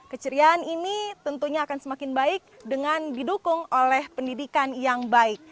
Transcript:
keceriaan ini tentunya akan semakin baik dengan didukung oleh pendidikan yang baik